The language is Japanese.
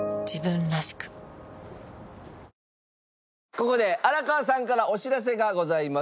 ここで荒川さんからお知らせがございます。